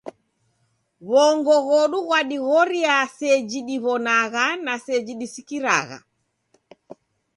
W'ongo ghodu ghwadighoria seji diw'onagha na seji disikiragha.